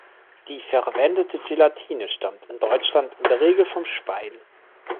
Die verwendete Gelatine stammt in Deutschland in der Regel vom Schwein.